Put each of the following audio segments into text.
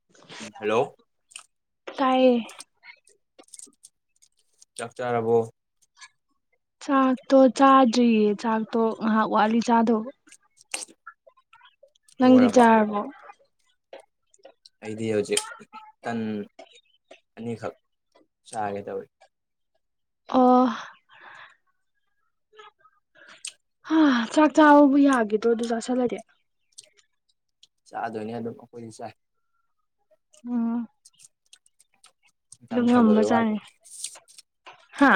[unintelligible] Hello. ꯇꯥꯏꯌꯦ꯫ ꯆꯥꯛ ꯆꯥꯔꯕꯣ꯫ ꯆꯥꯛꯇꯣ ꯆꯥꯗ꯭ꯔꯤꯌꯦ ꯆꯥꯛꯇꯣ ꯉꯍꯥꯛ ꯋꯥꯠꯂꯤ ꯆꯥꯗꯧꯕ꯫ [unintelligible] ꯅꯪꯗꯤ ꯆꯥꯔꯕꯣ꯫ ꯑꯩꯗꯤ ꯍꯧꯖꯤꯛ ꯇꯟ ꯑꯅꯤꯈꯛ ꯆꯥꯒꯦ ꯇꯧꯔꯤ꯫ ꯑꯣ꯫ ꯍꯥ ꯆꯥꯛ ꯆꯕꯕꯨ ꯌꯥꯒꯤꯗ꯭ꯔꯣ ꯑꯗꯨ ꯆꯁꯜꯂꯗꯤ꯫ ꯆꯥꯗꯣꯏꯅꯦ ꯑꯗꯨꯝ ꯑꯩꯈꯣꯏꯗꯤ ꯆꯥꯏ꯫ ꯑꯣ꯫ [inaudible] ꯍꯛꯆꯥꯡ ꯉꯝꯕꯖꯥꯠꯅꯤ ꯍꯥ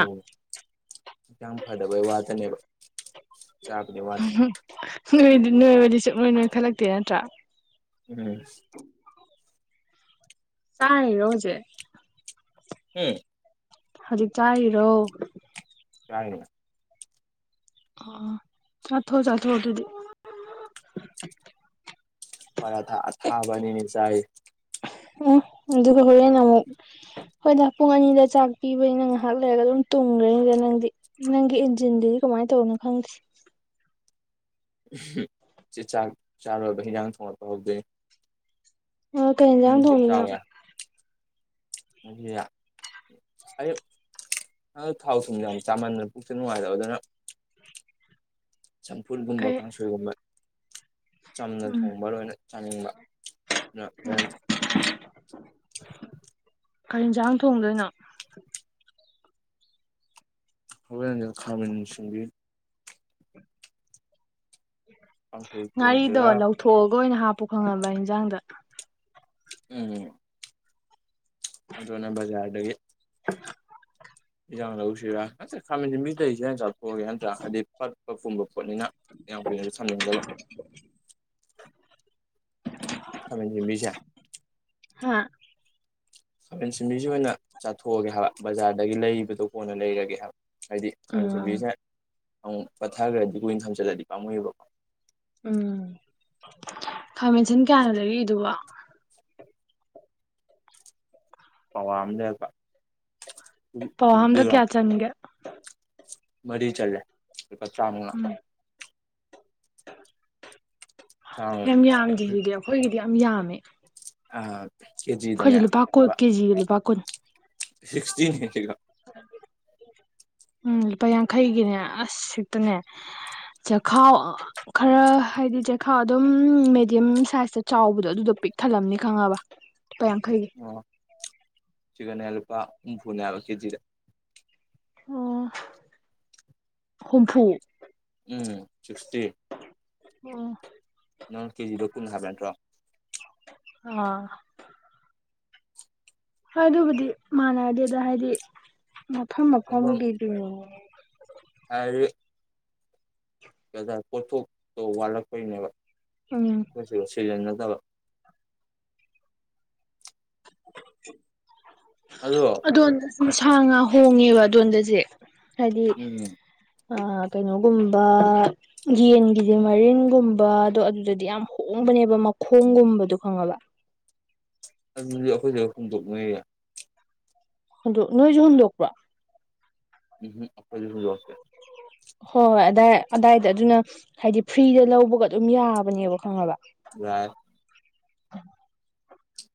ꯐꯗꯕꯩ ꯋꯥꯗꯅꯦꯕ ꯆꯥꯕꯗꯤ ꯋꯥꯗꯦ꯫ ꯅꯣꯏꯗꯤ ꯅꯣꯏꯕꯗꯤ ꯁꯨꯛꯅꯣꯏ ꯅꯣꯏꯈꯜꯂꯛꯇꯦ ꯅꯠꯇ꯭ꯔꯥ꯫ ꯎꯝ꯫ ꯆꯥꯏꯔꯣ ꯍꯧꯖꯤꯛ꯫ [unintelligible] ꯍꯧꯖꯤꯛ ꯆꯥꯔꯤꯔꯣ꯫ ꯌꯥꯥꯏꯅꯦ꯫ ꯑꯣ ꯆꯥꯊꯣ ꯆꯥꯊꯣ ꯑꯗꯨꯗꯤ꯫ ꯄꯥꯔꯥꯊ ꯑꯁꯥꯕ ꯑꯅꯤꯅꯦ ꯆꯥꯔꯤꯁꯦ꯫ ꯎꯝ ꯎꯗꯨꯗꯤ ꯍꫭꯔꯦꯅ ꯑꯃꯨꯛ ꯍꯣꯏꯗ ꯄꯨꯡ ꯑꯅꯤꯗ ꯆꯥꯛ ꯄꯤꯕꯅꯤꯅ ꯉꯥꯏꯍꯥꯛ ꯂꯩꯔꯒ ꯑꯗꯨꯝ ꯇꯨꯝꯈ꯭ꯔꯅꯤꯗ ꯅꯪꯗꯤ꯫ ꯅꯪꯒꯤ ꯏꯟꯖꯤꯟꯗꯨꯗꯤ ꯀꯃꯥꯏꯅ ꯇꯧꯕꯅꯣ ꯈꯪꯗ꯭ꯦ꯫ ꯆꯦ ꯆꯥꯛ ꯆꯥꯔꯣꯏꯕ ꯍꯤꯟꯖꯥꯡ ꯊꯣꯡꯉꯠꯄ ꯍꯧꯗꯣꯏꯅꯤ꯫ ꯑꯣ ꯀꯩ ꯏꯟꯖꯥꯡ ꯊꯣꯡꯉꯤꯅꯣ [inaudible] [inaudible] ꯑꯗꫭ ꯊꯥꯎ ꯊꯨꯝ ꯌꯥꯝ ꯆꯥꯃꯟꯗꯅ ꯄꯨꯛꯁꯦ ꯅꯨꯡꯉꯥꯏꯇꯕ ꯑꯗꯨꯅ ꯆꯝꯐꯨꯠꯒꯨꯝꯕ ꯀꯩ ꯀꯥꯡꯁꯣꯏꯒꯨꯝꯕ ꯆꯝꯅ ꯎꯝ ꯊꯣꯡꯕ ꯂꯣꯏꯅ ꯆꯥꯅꯤꯡꯕ ꯑꯗꯨꯅ ꯍꯣꯔꯦꯟ ꯀꯔꯤ ꯍꯦꯟꯖꯥꯡ ꯊꯣꯡꯗꯣꯏꯅꯣ꯫ ꯍꯋꯥꯏ ꯈꯥꯃꯤꯁꯤꯡꯕꯤ꯫ ꯀꯥꯡꯁꯣꯏ ꯉꯥꯔꯤꯗꯣ ꯊꯣꯡꯁꯤꯔꯥ ꯂꯧꯊꯣꯛꯑꯒ ꯑꯣꯏꯅ ꯍꯥꯞꯄꯨ ꯈꯪꯉꯕ ꯍꯤꯟꯖꯥꯡꯗ꯫ ꯎꯝ꯫ ꯃꯗꯨꯅ ꯕꯖꯥꯔꯗꯒꯤ [unintelligible] [inaudible] ꯄꯠꯄ ꯄꯨꯝꯕ ꯄꯣꯠꯅꯤꯅ ꯌꯥꯝ ꯀꯨꯏꯅꯁꯨ ꯊꯝꯅꯤꯡꯗꯕ꯫ [unintelligible] ꯈꯥꯃꯦꯟ ꯁꯤꯟꯕꯤꯁꯦ꯫ ꯍꯥꯥ꯫ ꯈꯥꯃꯦꯟ ꯁꯤꯟꯕꯤꯁꯤ ꯑꯣꯏꯅ ꯆꯥꯊꯣꯛꯑꯒꯦ ꯍꯥꯏꯕ ꯕꯖꯥꯔꯗꯒꯤ ꯂꯩꯕꯗꯣ ꯀꯣꯟꯅ ꯂꯩꯔꯒꯦ ꯍꯥꯏꯕ ꯍꯥꯏꯗꯤ ꯎꯝ ꯈꯪꯁꯕꯤꯁꯦ ꯑꯃꯨꯛ ꯐꯠꯊꯈ꯭ꯔꯗꯤ ꯀꯨꯏꯅ ꯊꯝꯆꯠꯂꯗꯤ ꯄꯥꯃꯨꯏꯒꯦꯕꯀꯣ ꯎꯝ ꯈꯥꯃꯦꯟ ꯑꯁꯤꯟ ꯀꯌꯥꯅꯣ ꯂꯩꯔꯛꯢꯗꯨꯕꯣ ꯄꯥꯋꯥ ꯑꯃ ꯂꯩꯔꯛꯄ ꯄꯋꯥ ꯑꯝꯗ ꯀꯌꯥ ꯆꯟꯒꯦ [unintelligible] ꯃꯔꯤ ꯆꯥꯜꯂꯦ ꯂꯨꯄꯥ ꯆꯥꯃꯥ ꯎꯝ ꯇꯔꯥꯃꯉꯥ ꯌꯥꯝ ꯌꯥꯝꯗꯦꯌꯦ ꯑꯩꯈꯣꯏꯒꯤꯗꯤ ꯌꯥꯝ ꯌꯥꯝꯃꯦ ꯑꯩꯈꯣꯏꯗꯤ ꯀꯦꯖꯤꯗꯅꯦ ꯀꯨꯟ ꯂꯨꯄꯥ ꯀꯦꯖꯤꯒꯤ ꯂꯨꯄꯥ ꯀꯨꯟ ꯁꯤꯛꯁꯇꯤꯅꯦ ꯁꯤꯗ ꯎꯝ ꯂꯨꯄꯥ ꯌꯥꯡꯈꯩꯒꯤꯅꯦ ꯑꯁ [unintelligible] ꯆꯦꯈꯥꯎ ꯈꯔ ꯍꯥꯏꯗꯤ ꯆꯦꯈꯥꯎ ꯑꯗꯨꯝ ꯃꯦꯗꯤꯌꯝ ꯁꯥꯏꯖꯇ ꯆꯥꯎꯕꯗꯣ ꯑꯗꯨꯗꯣ ꯄꯤꯛ ꯊꯜꯂꯝꯅꯤ ꯈꯪꯉꯕ ꯂꯨꯄꯥ ꯌꯥꯡꯈꯩꯒꯤ ꯑꯣ ꯁꯤꯗꯅꯦ ꯂꯨꯄꯥ ꯍꯨꯝꯐꯨꯅꯦ ꯍꯥꯢꯕ ꯀꯦꯖꯤꯗ ꯑꯣ ꯍꯨꯝꯐꯨ ꯎꯝ ꯁꯤꯛꯁꯇꯤ ꯑꯣ ꯅꯪ ꯀꯦꯖꯤꯗꯣ ꯀꯨꯟ ꯍꯥꯏꯕ ꯅꯠꯇ꯭ꯔꯣ ꯑꯥ ꯍꯣꯏ ꯑꯗꯨꯕꯨꯗꯤ ꯃꯥꯟꯅꯗꯦꯗ ꯑꯗ ꯍꯥꯏꯗꯤ ꯃꯐꯝ ꯃꯐꯝꯒꯤꯗꯨꯅꯦ ꯑ [unintelligible] ꯀꯗꯥ ꯄꯣꯠꯊꯣꯛꯇꯣ ꯋꯥꯠꯂꯛꯄꯩꯅꯦꯕ ꯎꯝ ꯑꯩꯈꯣꯢ ꯁꯤꯗ ꯁꯤꯖꯟꯅꯗꯕ [inaudible] ꯑꯗꯣ ꯑꯗꯣꯝ ꯁꯥ ꯉꯥ ꯍꯣꯡꯉꯦꯕ ꯑꯗꯣꯟꯗꯗꯤ ꯍꯥꯏꯗꯤ ꯎꯝ ꯑꯥ ꯀꯩꯅꯣꯒꯨꯝꯕ ꯌꯦꯟꯒꯤꯗꯤ ꯃꯔꯤꯟꯒꯨꯝꯕꯗꯣ ꯑꯗꯨꯗꯗꯤ ꯌꯥꯝ ꯍꯣꯡꯕꯅꯦꯕ ꯃꯈꯣꯡꯒꯨꯝꯕꯗꯣ ꯈꯪꯉꯕ ꯑꯗꯨꯗꯤ ꯑꯩꯈꯣꯏꯗ ꯈꯨꯝꯗꯣꯛꯅꯩꯕ ꯑꯗꯨ ꯅꯣꯏꯁꯨ ꯍꯨꯟꯗꯣꯛ ꯄ꯭ꯔꯣ ꯎꯝ ꯎꯝ ꯑꯩꯈꯣꯢꯗꯤ ꯍꯨꯟꯗꯣꯛꯇꯦ꯫ ꯍꯣꯏ ꯑꯗꯥꯏ ꯑꯗꯥꯏꯗ ꯑꯗꯨꯅ ꯍꯥꯏꯗꯤ ꯐ꯭ꯔꯤꯗ ꯂꯧꯕꯒ ꯑꯗꯨꯝ ꯌꯥꯕꯅꯦꯕ ꯈꯪꯉꯕ ꯌꯥꯢ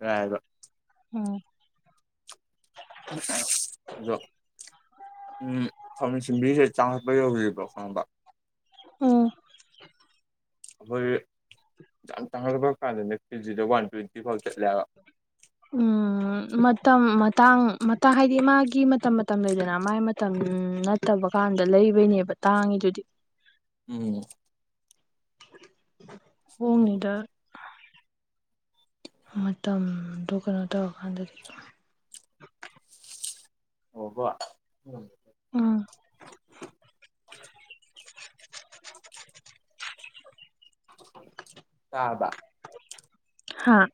ꯌꯥꯢꯕ ꯎꯝ ꯑꯁ ꯑꯗꯣ [unintelligible] ꯆꯥꯎꯈꯠꯄ ꯌꯧꯔꯤꯕ꯭ꯔꯣ ꯈꯪꯕ ꯎꯝ ꯑꯩꯈꯣꯏ ꯌꯥꯝ ꯇꯥꯡꯈꯠꯂꯛꯄ ꯀꯥꯟꯗꯗꯤ ꯀꯦꯖꯤꯗ ꯋꯥꯟ ꯇ꯭ꯋꯦꯟꯇꯤ ꯐꯥꯎ ꯆꯠꯂꯦꯕ ꯎꯝ ꯃꯇꯝ ꯃꯇꯥꯡ ꯃꯇꯥꯡ ꯍꯥꯏꯗꯤ ꯃꯥꯒꯤ ꯃꯇꯝ ꯃꯇꯝ ꯂꯩꯗꯅ ꯃꯥꯒꯤ ꯃꯇꯝ ꯅꯠꯇꯕ ꯀꯥꯟꯗ ꯂꯩꯕꯩꯅꯦꯕ ꯇꯥꯡꯉꯤꯗꯨꯗꯤ ꯎꯝ ꯍꯣꯡꯉꯤꯗꯣ ꯃꯇꯝꯗꯨ ꯀꯩꯅꯣ ꯇꯧꯔꯀꯥꯟꯗ ꯑꯣꯛꯑꯥꯕꯣ ꯎꯝ ꯇꯥꯔꯕꯥ ꯍꯥꯥ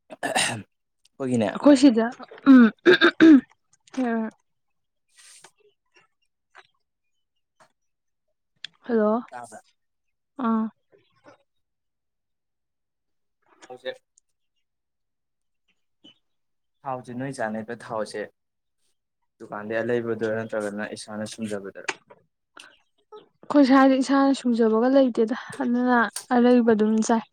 [unintelligible] ꯑꯩꯈꯣꯏꯒꯤꯅꯦ ꯑꯩꯈꯣꯏꯁꯤꯗꯥ ꯎꯝ ꯍꯅꯂ ꯍꯜꯂꯣ ꯇꯥꯕ꯭ꯔꯥ ꯑꯥ ꯊꯥꯎꯁꯦ ꯊꯥꯎꯁꯦ ꯅꯣꯏ ꯆꯥꯅꯩꯕ ꯊꯥꯎꯁꯦ ꯗꯨꯀꯥꯟꯗꯩ ꯑꯥꯂꯩꯕꯗꯨ ꯅꯠꯇ꯭ꯔꯒꯅ ꯏꯁꯥꯅ ꯁꯨꯝꯖꯕꯗꯨꯔ ꯑꯩꯈꯣꯏ ꯁ꯭ꯋꯥꯏꯗ ꯏꯁꯥꯅ ꯁꯨꯡꯖꯕꯒ ꯂꯩꯇꯦꯗ ꯑꯗꯨꯅ ꯑꯔꯩꯕ ꯑꯗꯨꯝ ꯆꯥꯏ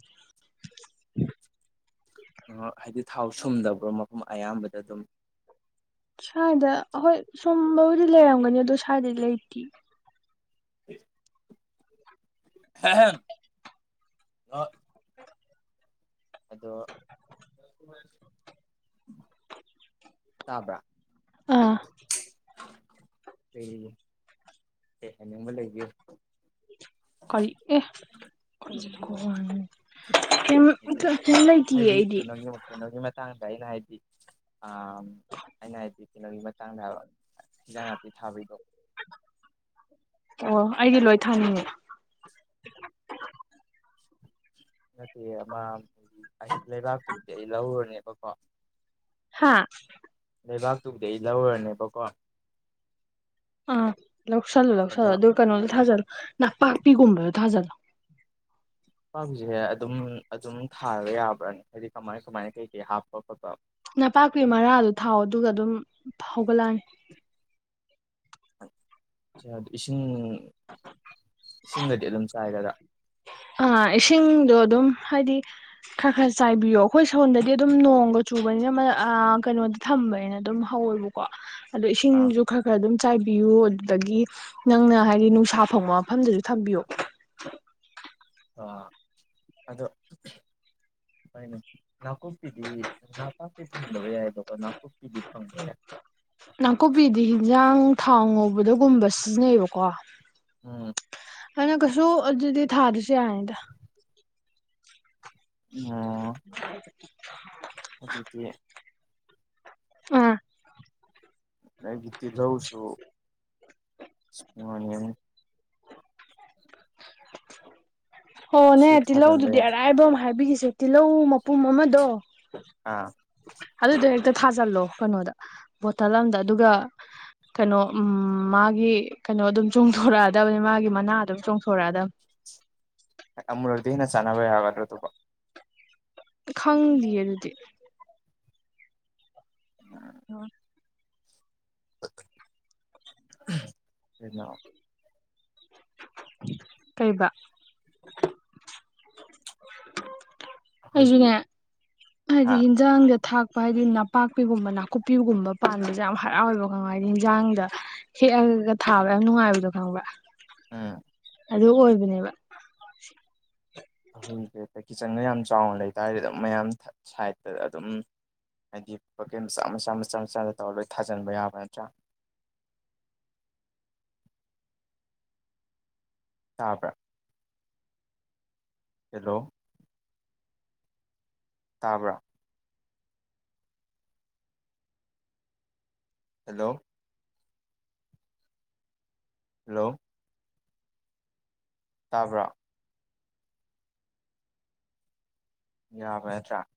ꯑꯣ ꯍꯥꯏꯗꯤ ꯊꯥꯎ ꯁꯨꯝꯗꯕ꯭ꯔꯣ ꯃꯐꯝ ꯑꯌꯥꯝꯕꯗ ꯑꯗꯨꯝ ꯁ꯭ꯋꯥꯏꯗ ꯍꯣꯏ ꯁꯨꯝꯕꯕꯨꯗꯤ ꯂꯩꯔꯝꯒꯅꯤ ꯑꯗꯣ ꯁ꯭ꯋꯥꯏꯗꯗꯤ ꯂꯩꯇꯦ [inaudible] ꯑꯦꯍꯨꯝ ꯑꯗꯣ ꯇꯥꯕ꯭ꯔꯥ ꯑꯥ ꯀꯩ ꯀꯩ ꯍꯥꯏꯅꯤꯡꯕ ꯂꯩꯒꯦ ꯀꯔꯤ ꯑꯦ [unintelligible] ꯀꯦꯝ ꯍꯥꯏꯗꯤ ꯀꯦꯝꯇꯥ ꯂꯩꯇꯦꯌꯦ ꯍꯥꯏꯗꯤ ꯑꯩꯗꯤ ꯀꯩꯅꯣꯒꯤ ꯀꯩꯅꯣꯒꯤ ꯃꯇꯥꯡꯗ ꯑꯩꯅ ꯍꯥꯏꯗꯤ ꯑꯥ ꯑꯩꯅ ꯍꯥꯏꯗꯤ ꯀꯩꯅꯣꯒꯤ ꯃꯇꯥꯡꯗ ꯍꯥꯏꯕ ꯍꯤꯟꯖꯥꯡ ꯅꯥꯄꯤ ꯊꯥꯕꯩꯗꯨ ꯑꯣ ꯑꯩꯗꯤ ꯂꯣꯏ ꯊꯥꯅꯤꯡꯉꯦ ꯅꯠꯇꯦꯌꯦ ꯑꯃ ꯑꯁꯤ ꯂꯩꯕꯥꯛꯇꯨꯕꯨꯗꯤ ꯑꯩ ꯂꯧꯔꯨꯔꯅꯦꯕꯀꯣ ꯍꯥꯥ ꯂꯩꯕꯥꯛꯇꯨꯕꯨꯗꯩ ꯑꯩ ꯂꯧꯔꯨꯔꯅꯦꯕꯀꯣ ꯑꯥ ꯂꯧꯁꯜꯂꯣ ꯑꯗꯣ ꯂꯧꯁꯜꯂꯣ ꯑꯗꯨ ꯀꯩꯅꯣꯗꯣ ꯔꯊꯥꯖꯜꯂꯣ ꯅꯥꯄꯥꯛꯄꯤꯒꯨꯝꯕꯗꯣ ꯊꯥꯖꯜꯂꯣ ꯄꯥꯛꯄꯤꯁꯦ ꯑꯗꯨꯝ ꯑꯗꯨꯝ ꯊꯥꯔꯒ ꯌꯥꯕ꯭ꯔꯅꯤ ꯍꯥꯏꯗꯤ ꯀꯃꯥꯏ ꯀꯃꯥꯏꯅ ꯀꯩ ꯀꯩ ꯍꯥꯞꯄ ꯈꯣꯠꯄ ꯅꯄꯥꯛꯄꯤ ꯃꯔꯥꯗꯣ ꯊꯥꯎ ꯑꯗꯨꯒ ꯑꯗꯨꯝ ꯍꯧꯒꯠꯂꯛꯑꯅꯤ ꯑꯗꯨ ꯏꯁꯤꯡ ꯏꯁꯤꯡꯅꯗꯤ ꯑꯗꯨꯝ ꯆꯥꯏꯗꯅ ꯑ ꯏꯁꯤꯡꯗꯣ ꯑꯗꯨꯝ ꯍꯥꯏꯗꯤ ꯈꯔ ꯈꯔ ꯆꯥꯏꯕꯤꯌꯣ ꯑꯩꯈꯣꯏ ꯁꯣꯟꯗꯗꯤ ꯑꯗꯨꯝ ꯅꯣꯡꯒ ꯆꯨꯕꯅꯤꯅ ꯀꯩꯅꯣꯗ ꯊꯝꯕꯅꯤꯅ ꯑꯗꯨꯝ ꯍꯧꯑꯕ ꯀꯣ ꯑꯗꯨ ꯑꯥ ꯏꯁꯤꯡꯁꯨ ꯈꯔ ꯈꯔ ꯑꯗꯨꯝ ꯆꯥꯏꯕꯤꯌꯨ ꯑꯗꯨꯗꯒꯤ ꯅꯪꯅ ꯍꯥꯏꯗꯤ ꯅꯨꯡꯁꯥ ꯐꯪꯕ ꯃꯐꯝꯗꯁꯨ ꯊꯝꯕꯤꯌꯨ ꯑ ꯑꯗꯣ ꯍꫭꯏꯅꯦ ꯅꯥꯀꯨꯞꯄꯤꯗꯤ ꯅꯥ ꯄꯥꯛꯄꯤ ꯐꯪꯗꯕ ꯌꯥꯏꯑꯕꯀꯣ ꯅꯥꯀꯨꯞꯄꯤꯗꯤ ꯐꯪꯕꯅꯦ ꯅꯥꯀꯨꯞꯄꯤꯗꯤ ꯍꯟꯖꯥꯡ ꯊꯥꯎ ꯉꯧꯕꯗꯒꯨꯝꯕ ꯁꯤꯖꯤꯟꯅꯩꯌꯦꯕꯀꯣ ꯎꯝ ꯑꯩꯅꯥ ꯀꯩꯁꯨ ꯑꯗꯨꯗꯤ ꯊꯥꯗꯁꯨ ꯌꯥꯏ ꯅꯤꯗ ꯎꯝ [inaudible] ꯑꯗꯨꯗꯤ ꯑꯥ ꯑꯩꯒꯤ ꯇꯤꯂꯧꯁꯨ ꯏꯁꯄꯔꯤꯡ ꯑꯣꯅꯤꯑꯣꯟ ꯍꯣꯅꯦ ꯁꯨ ꯊꯥꯖꯤꯟꯕ ꯇꯤꯜꯍꯧꯗꯨꯗꯤ ꯌꯥꯏ ꯑꯔꯥꯏꯕ ꯑꯃ ꯍꯥꯏꯕꯤꯈꯤꯁꯦ ꯇꯤꯜꯍꯧ ꯃꯄꯨꯝ ꯑꯃꯗꯣ ꯑꯥ ꯑꯗꯨꯗꯣ ꯍꯦꯛꯇ ꯊꯥꯖꯜꯂꯣ ꯀꯩꯅꯣꯗ ꯕꯣꯇꯜ ꯑꯃꯝꯗ ꯑꯗꯨꯒ ꯀꯩꯅꯣ ꯎꯝ ꯃꯥꯒꯤ ꯀꯩꯅꯣ ꯑꯗꯨꯝ ꯆꯣꯡꯊꯣꯔꯛꯑꯗꯕꯅꯤ ꯃꯥꯒꯤ ꯃꯅꯥꯗꯨꯝ ꯆꯣꯡꯊꯣꯔꯛꯑꯗꯕꯅꯤ ꯑꯃꯨꯨꯔꯛꯗꯤ ꯍꯦꯟꯅ ꯆꯟꯅꯕ ꯌꯥꯒꯗ꯭ꯔ ꯑꯗꯨꯕꯣ ꯈꯪꯗꯤꯌꯦ ꯑꯗꯨꯗꯤ [unintelligible] [unintelligible] ꯀꯩꯅꯣ ꯀꯩꯕ ꯑꯩꯈꯣꯏꯒꯤ ꯑꯩꯖꯨꯅꯦ ꯍꯥꯏꯗꯤ ꯍꯥ ꯍꯤꯟꯖꯥꯡꯗ ꯊꯥꯛ ꯍꯥꯏꯗꯤ ꯅꯄꯥꯛꯄꯤꯒꯨꯝꯕ ꯅꯥꯀꯨꯞꯄꯤꯒꯨꯝꯕ ꯄꯥꯟꯕꯖꯦ ꯌꯥꯝ ꯍꯔꯥꯎꯋꯦꯕ ꯈꯪꯉꯕ ꯍꯥꯏꯗꯤ ꯏꯟꯖꯥꯡꯗ ꯍꯦꯛꯑꯒꯒ ꯊꯥꯕ ꯌꯥꯝ ꯅꯨꯡꯉꯥꯏꯕꯗꯣ ꯈꯪꯕ꯭ꯔ ꯎꯝ ꯑꯗꯨ ꯑꯣꯏꯕꯅꯦꯕ [unintelligible] ꯀꯤꯠꯆꯟꯒ ꯌꯥꯝ ꯆꯥꯎꯅ ꯂꯩꯇꯥꯥꯔꯗꯤ ꯑꯗꯨꯝ ꯃꯌꯥꯝ ꯁꯥꯏꯠꯇ ꯑꯗꯨꯝ ꯍꯥꯏꯗꯤ ꯕꯀꯦꯠ ꯃꯆꯥ ꯃꯆꯥ ꯃꯆꯥ ꯃꯆꯥꯗ ꯇꯧꯔꯒ ꯂꯣꯏ ꯊꯥꯖꯟꯕ ꯌꯥꯕ ꯅꯠꯇ꯭ꯔꯥ ꯇꯥꯕ꯭ꯔꯥ ꯍꯦꯂꯣ ꯇꯥꯕ꯭ꯔꯥ ꯍꯜꯂꯣ ꯍꯜꯂꯣ ꯇꯥꯕ꯭ꯔꯥ ꯌꯥꯕ ꯅꯇꯔꯥ